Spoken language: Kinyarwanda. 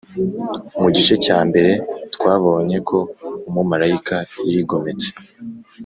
Mu Gice cyambere twabonye ko umumarayika yigometse